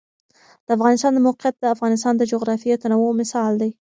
د افغانستان د موقعیت د افغانستان د جغرافیوي تنوع مثال دی.